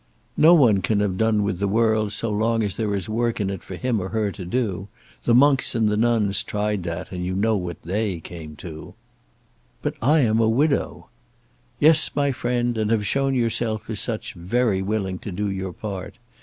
"No one can have done with the world as long as there is work in it for him or her to do. The monks and nuns tried that, and you know what they came to." "But I am a widow." "Yes, my friend; and have shown yourself, as such, very willing to do your part.